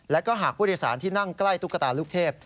และก็หากผู้โดยสารที่นั่งใกล้ตุ๊กตาลูกเทพ